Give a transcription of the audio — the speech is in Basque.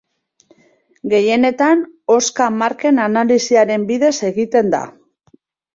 Gehienetan hozka-marken analisiaren bidez egiten da.